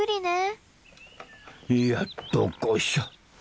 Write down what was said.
やっとこしょ。